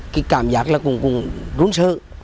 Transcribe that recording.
cái cảm giác là cũng rốn sợ